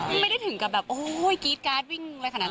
มันไม่ได้ถึงกับแบบกรีสต์กญาติฟิงอะไรขนาดนั้น